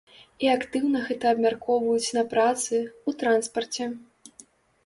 І актыўна гэта абмяркоўваюць на працы, у транспарце.